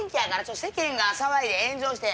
世間が騒いで炎上して。